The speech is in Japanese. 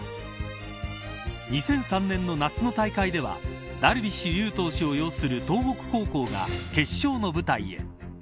２００３年の夏の大会ではダルビッシュ有投手を擁する東北高校が決勝の舞台へ。